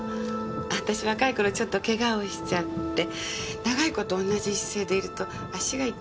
私若い頃ちょっと怪我をしちゃって長い事同じ姿勢でいると足が痛むのよね。